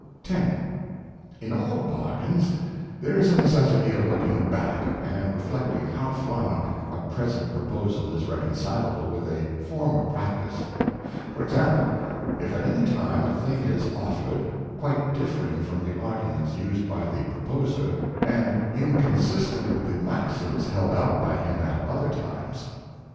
X. In all Bargains there is a necessity of looking back, and reflecting how far a present proposal is reconcilable with a former practice ; For Example, if at any time a thing is offered, quite differing from the Arguments used by the Pro poser, and inconsistent with the Maxims held out by him at other times.